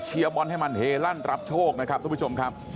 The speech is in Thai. บอลให้มันเฮลั่นรับโชคนะครับทุกผู้ชมครับ